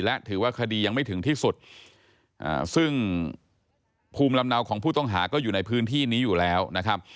และถือว่าคดียังไม่ถึงที่สุดซึ่งภูมิลำเนาของผู้ต้องหาก็อยู่ในพื้นที่นี้อยู่แล้วนะครับ